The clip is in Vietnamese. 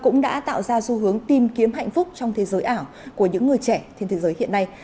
nó ra xu hướng tìm kiếm hạnh phúc trong thế giới ảo của những người trẻ trên thế giới hiện nay